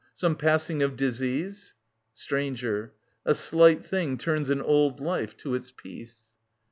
Some passing of disease Stranger. A slight thing turns an old life to its peace.